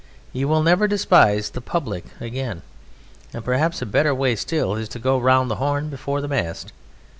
You will never despise the public again. And perhaps a better way still is to go round the Horn before the mast.